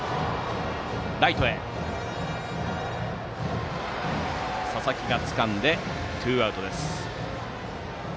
ライトの佐々木がつかんでツーアウト。